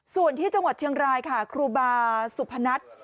ส่วนที่จังหวัดเชียงรายค่ะครูบาสุพนัท